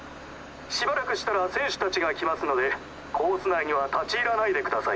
しばらくしたら選手たちが来ますのでコース内には立ち入らないでください。